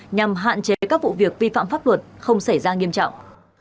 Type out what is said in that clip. nhằm hạn chế các vụ việc vi phạm pháp luật không xảy ra nghiêm trọng